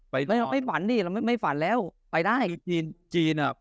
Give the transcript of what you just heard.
ไม่เราไม่ฝันดิเราไม่ไม่ฝันแล้วไปได้คือจีนจีนอ่ะ